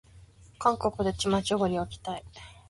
韓国でチマチョゴリを着たい